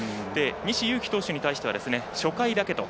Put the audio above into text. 西勇輝投手に対しては初回だけと。